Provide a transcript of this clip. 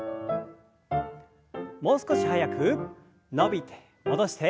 もう少し速く伸びて戻して。